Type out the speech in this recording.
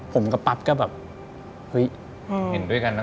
ผมกับปั๊บก็แบบเฮ้ย